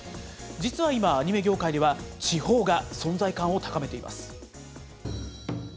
実は今、アニメ業界では、地方が存在感を高めています。